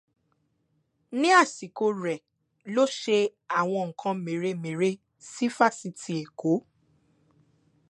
Ní àsìkò rẹ̀ ló ṣe àwọn nǹkan mèremère sí fásitì Èkó.